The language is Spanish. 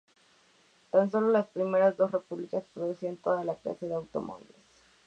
Tan sólo las primeras dos repúblicas producían toda clase de automóviles.